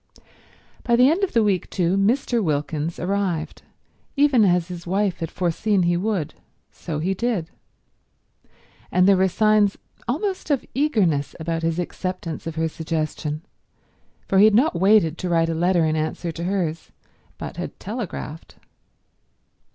By the end of the week, too, Mr. Wilkins arrived; even as his wife had foreseen he would, so he did. And there were signs almost of eagerness about his acceptance of her suggestion, for he had not waited to write a letter in answer to hers, but had telegraphed.